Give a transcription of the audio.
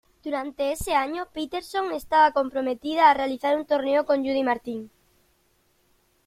Durante ese año, Peterson estaba comprometida a realizar un torneo con Judy Martin.